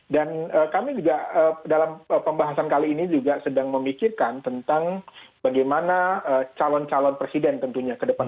dan kami juga dalam pembahasan kali ini juga sedang memikirkan tentang bagaimana calon calon presiden tentunya ke depan